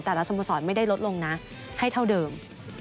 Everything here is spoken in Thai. สโมสรไม่ได้ลดลงนะให้เท่าเดิม